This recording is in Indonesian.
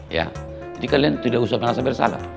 jadi kalian tidak usah merasa bersalah